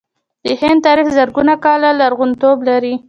د هند تاریخ زرګونه کاله لرغونتوب لري.